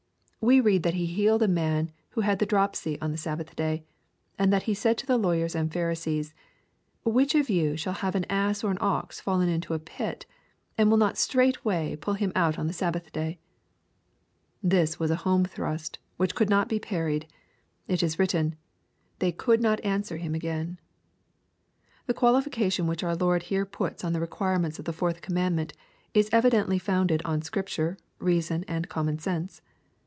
We read that he healed a man who had the dropsy on the Sabbath day, and then said to the lawyers and Pharisees, *' Which of you shall have an ass or an ox fallen into a pit, and will not straightway pull him out on the Sabbath day ?" This was a home thrust, which could not be parried. It is written, " They could not answer Him again." The qualification which our Lord here puts on the requirements of the fourth commandment, is evidently founded on Scripture, reason, and common sense.